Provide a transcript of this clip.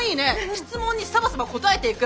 質問にサバサバ答えていく。